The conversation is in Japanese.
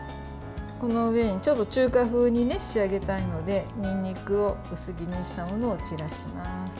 この上にちょっと中華風に仕上げたいのでにんにくを薄切りしたものを散らします。